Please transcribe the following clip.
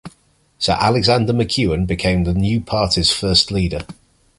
Sir Alexander MacEwen became the new party's first leader.